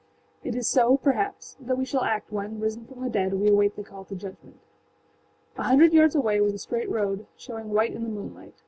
It is so, perhaps, that we shall act when, risen from the dead, we await the call to judgment. A hundred yards away was a straight road, showing white in the moonlight.